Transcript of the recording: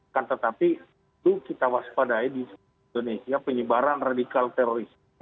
akan tetapi itu kita waspadai di indonesia penyebaran radikal teroris